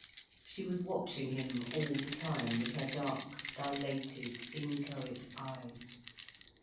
She was watching him all the time with her dark, dilated, inchoate eyes.